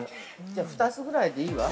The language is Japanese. ◆じゃあ、２つぐらいでいいわ。